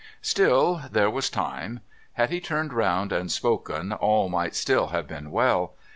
Still there was time. Had he turned round and spoken, all might still have been well.